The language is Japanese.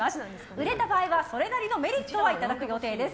売れた場合は、それなりのメリットはいただく予定です。